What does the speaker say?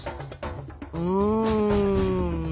うん？